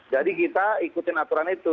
jadi kita ikutin aturan itu